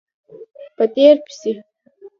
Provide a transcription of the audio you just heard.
په تېر پسې